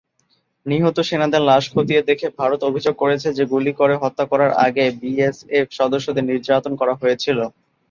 নিহত সেনাদের লাশ খতিয়ে দেখে ভারত অভিযোগ করেছে যে গুলি করে হত্যা করার আগে বিএসএফ সদস্যদের নির্যাতন করা হয়েছিল।